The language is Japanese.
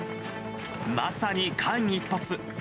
まさに間一髪。